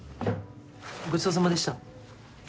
ごちそうさまでした。